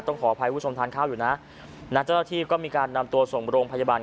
ขออภัยคุณผู้ชมทานข้าวอยู่นะเจ้าหน้าที่ก็มีการนำตัวส่งโรงพยาบาล